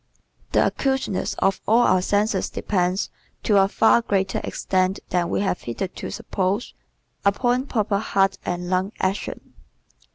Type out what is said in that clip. The acuteness of all our senses depends, to a far greater extent than we have hitherto supposed, upon proper heart and lung action.